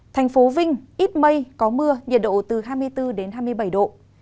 thành phố vinh ít mây có mưa nhiệt độ từ hai mươi bốn hai mươi bảy độ